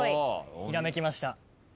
ひらめきました。